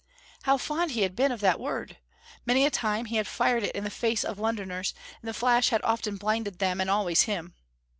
How fond he had been of that word! Many a time he had fired it in the face of Londoners, and the flash had often blinded them and always him.